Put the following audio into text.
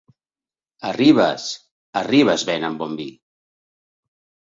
A Ribes, a Ribes, venen bon vi!